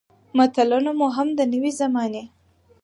متلونه مو هم د نوې زمانې